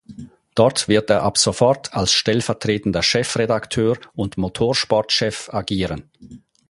Dort wird er ab sofort als stellvertretender Chefredakteur und Motorsport-Chef agieren.